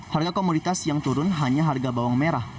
harga komoditas yang turun hanya harga bawang merah